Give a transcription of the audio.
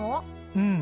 うん。